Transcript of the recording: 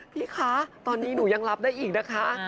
พี่คะตอนนี้หนูยังรับได้อีกนะคะ